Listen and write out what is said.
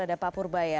ada pak purba ya